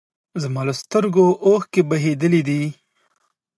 زما له سترګو اوښکې بهېدلي دي